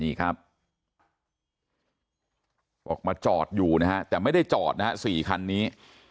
นี่ครับออกมาจอดอยู่นะฮะแต่ไม่ได้จอดนะฮะ๔คันนี้